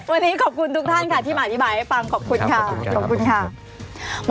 วันนี้ขอบคุณทุกท่านค่ะที่มาอธิบายให้ฟังขอบคุณค่ะขอบคุณค่ะ